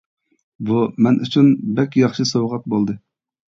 »، «بۇ مەن ئۈچۈن بەڭ ياخشى سوۋغات بولدى.